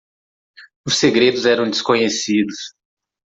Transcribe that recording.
Os segredos eram desconhecidos.